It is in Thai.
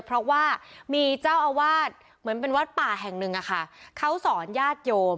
เพราะว่ามีเจ้าอาวาสเหมือนเป็นวัดป่าแห่งหนึ่งอะค่ะเขาสอนญาติโยม